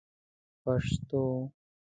پشتو